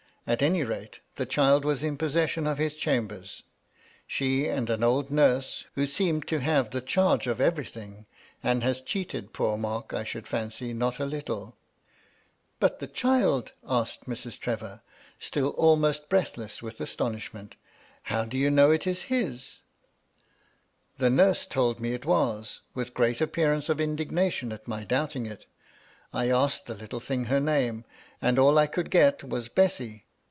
At any rate, the child was in possession of his chambers ; she and an old nurse, who seemed to have the charge of everything, and has cheated poor Mark, I should fancy, not a littla" " But the child !" asked Mrs. Trevor, still almost breathless with astonishment. " How do you know it is his r " The nurse told me it was, with great appearance of indignation at my doubting it. I asked the little thing her name, and all I could get was * Bessy !'